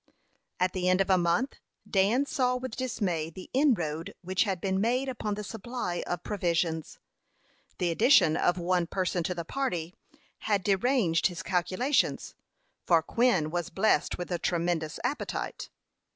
At the end of a month Dan saw with dismay the inroad which had been made upon the supply of provisions. The addition of one person to the party had deranged his calculations, for Quin was blessed with a tremendous appetite.